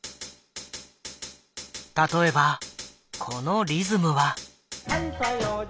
例えばこのリズムは。